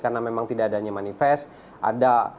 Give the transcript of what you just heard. karena memang tidak adanya manifold